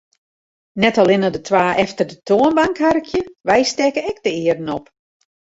Net allinne de twa efter de toanbank harkje, wy stekke ek de earen op.